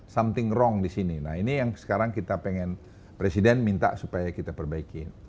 something wrong disini nah ini yang sekarang kita pengen presiden minta supaya kita perbaiki